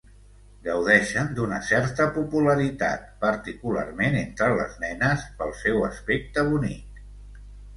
Gaudeixen d'una certa popularitat, particularment entre les nenes, pel seu aspecte bonic.